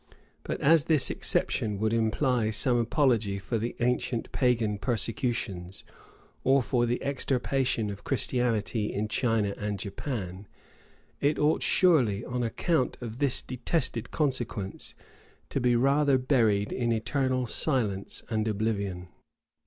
But as this exception would imply some apology for the ancient pagan persecutions, or for the extirpation of Christianity in China and Japan, it ought surely, on account of this detested consequence, to be rather buried in eternal silence and oblivion.